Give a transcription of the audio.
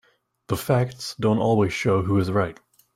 The facts don't always show who is right.